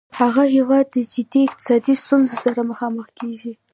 هغه هیواد د جدي اقتصادي ستونځو سره مخامخ کیږي